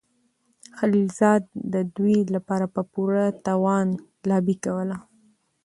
خلیلزاد د دوی لپاره په پوره توان لابي کوله.